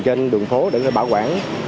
trên đường phố để bảo quản